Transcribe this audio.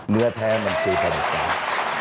เนื้อแท้มันคือประเด็ดการ